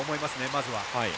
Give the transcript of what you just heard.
まずは。